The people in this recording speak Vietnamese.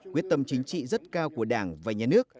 quyết tâm chính trị rất cao của đảng và nhà nước